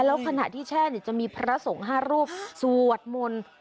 แล้วขณะที่แช่จะมีพระสงฆ์๕รูปสวดมนต์